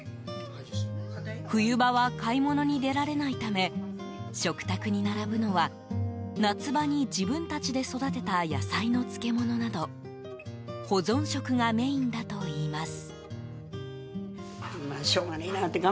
冬場は買い物に出られないため食卓に並ぶのは夏場に自分たちで育てた野菜の漬物など保存食がメインだといいます。